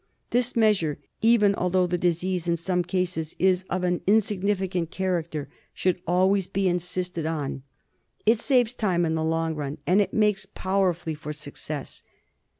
This measure, even although the disease in some cases is of an insignificant character, should 202 TREATMENT OF always be insisted on. It saves time in the long run, and it makes powerfully for success.